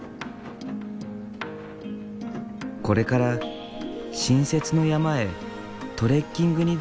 これから新雪の山へトレッキングに出かけるという。